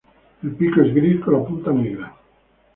El pico es gris con la punta negra.